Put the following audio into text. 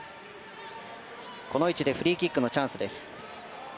この位置でフリーキックのチャンスです。